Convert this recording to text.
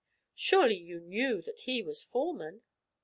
"Surely you knew that he was foreman."